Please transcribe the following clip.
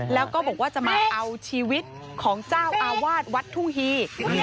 แล้วก็บอกว่าจะมาเอาชีวิตของเจ้าอาวาสวัดทุ่งฮี